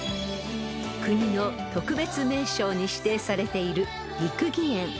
［国の特別名勝に指定されている］